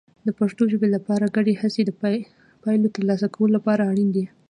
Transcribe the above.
د پښتو ژبې لپاره ګډې هڅې د پایلو ترلاسه کولو لپاره اړین دي.